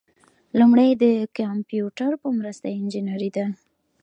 لومړی د کمپیوټر په مرسته انجنیری ده.